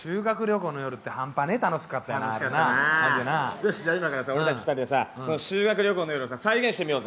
よしじゃあ今から俺たち２人でさ修学旅行の夜をさ再現してみようぜ。